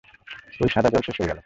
ঐ সাদা জল শেষ হয়ে গেল।